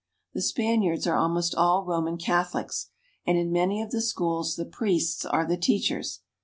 The Spaniards are almost all Roman Catholics, and in many of the schools the priests are the teachers.